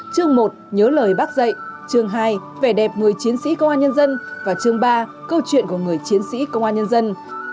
chương một nhớ lời bác dạy chương hai vẻ đẹp người chiến sĩ công an nhân dân và chương ba câu chuyện của người chiến sĩ công an nhân dân